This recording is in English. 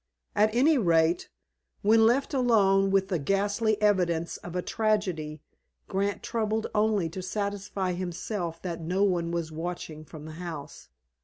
At any rate, when left alone with the ghastly evidence of a tragedy, Grant troubled only to satisfy himself that no one was watching from the house.